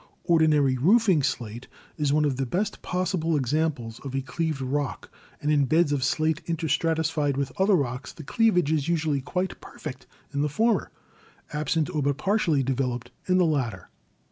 Ordinary roofing slate is one of the best possible examples of a cleaved rock, and in beds of slate interstratified with other rocks the cleavage is usually quite perfect in the former, absent or but partially developed in the latter.